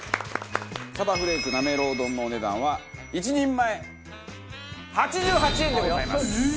さばフレークなめろう丼のお値段は１人前８８円でございます。